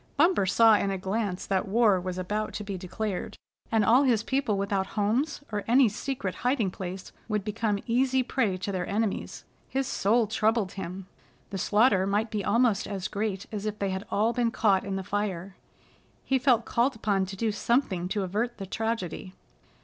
Bumper saw in a glance that war was about to be declared, and all his people without homes or any secret hiding place would become easy prey to their enemies. His soul troubled him. The slaughter might be almost as great as if they had all been caught in the fire. He felt called upon to do something to avert the tragedy.